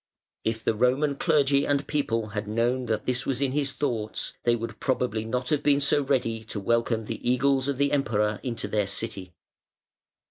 If the Roman clergy and people had known that this was in his thoughts, they would probably not have been so ready to welcome the eagles of the Emperor into their city.